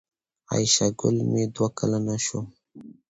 عایشه ګل مې دوه کلنه شو